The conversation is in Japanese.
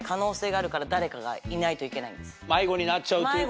迷子になっちゃうというか。